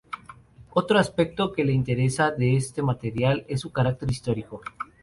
Otro aspecto que le interesa de este material es su carácter histórico.